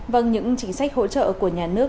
vâng những chính sách hỗ trợ của nhà nước